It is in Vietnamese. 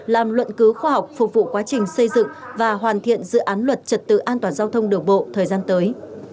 làm luận cứu khoa học phục vụ quá trình xây dựng và hoàn thiện dự án luật trật tự an toàn giao thông đường bộ thời gian tới